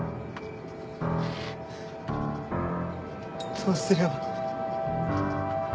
どうすれば。